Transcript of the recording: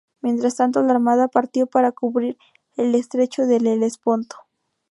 Mientras tanto, la armada partió para cubrir el estrecho del Helesponto.